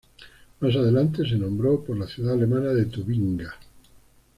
Más adelante se nombró por la ciudad alemana de Tubinga.